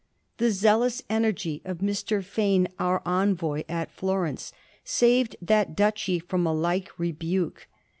The zealous energy of Mr. Fane, our envoy at Florence, saved that duchy from a like rebuke.